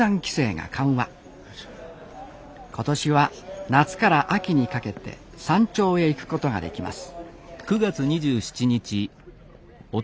今年は夏から秋にかけて山頂へ行くことができます